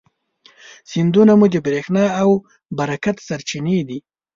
سیندونه مو د برېښنا او برکت سرچینې دي.